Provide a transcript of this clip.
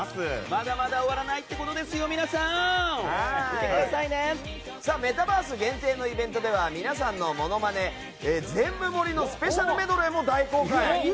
まだまだ終わらないってことですよ、皆さんメタバース限定のイベントでは皆さんのモノマネ全部盛りのスペシャルメドレーも大公開！